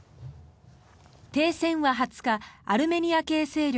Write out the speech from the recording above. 停戦は２０日アルメニア系勢力